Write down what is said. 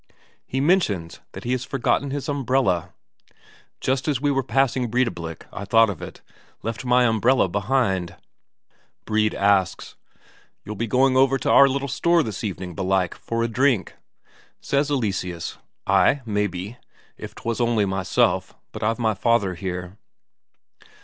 He mentions that he has forgotten his umbrella: "Just as we were passing Breidablik, I thought of it; left my umbrella behind." Brede asks: "You'll be going over to our little store this evening, belike, for a drink?" Says Eleseus: "Ay, maybe, if 'twas only myself. But I've my father here."